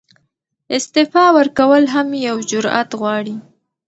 استعفاء ورکول هم یو جرئت غواړي.